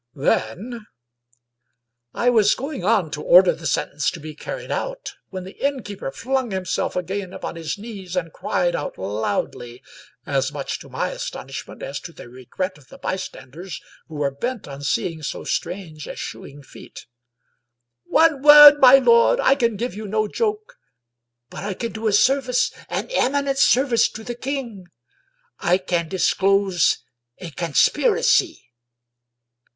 Then '^ I was going on to order the sentence to be carried out, when the innkeeper flung himself again upon his knees^ and cried out loudly — as much to my astonishment as to the regret of the bystanders, who were bent on seeing so strange a shoeing feat —" One word, my lord; I can give you no joke, but I can do a service, an eminent service to the king. I can disclose a conspiracy